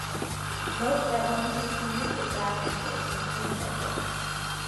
Note that one can communicate back and forth in the same cycle.